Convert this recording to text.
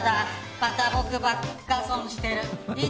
また僕ばっか損してる。